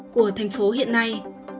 của thành phố hiện nay